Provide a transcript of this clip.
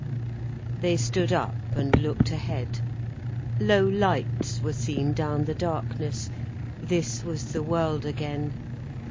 They stood up and looked ahead. Low lights were seen down the darkness. This was the world again.